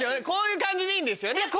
こういう感じでいいんですよね？